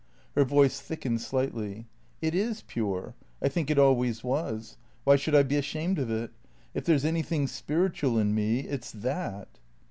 Her voice thickened slightly. "It is pure. I think it always was. Why should I be ashamed of it ? If there 's anything spiritual in me, it 's that."